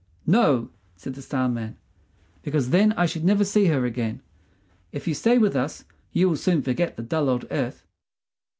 "No," said the Star man, "because then I should never see her again. If you stay with us you will soon forget the dull old earth."